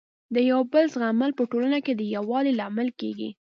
د یو بل زغمل په ټولنه کي د يووالي لامل کيږي.